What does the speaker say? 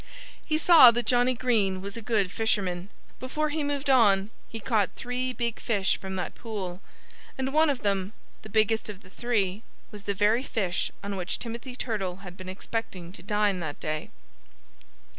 He saw that Johnnie Green was a good fisherman. Before he moved on he caught three big fish from that pool; and one of them the biggest of the three was the very fish on which Timothy Turtle had been expecting to dine that day.